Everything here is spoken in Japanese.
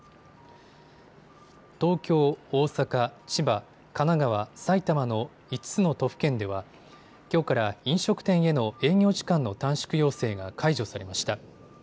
東京、大阪、千葉、神奈川、埼玉の５つの都府県ではきょうから飲食店への営業時間の短縮要請が解除されました。